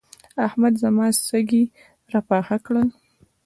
احمد زما سږي راپاخه کړل.